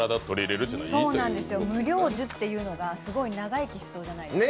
無量寿というのが、すごい長生きしそうじゃないですか。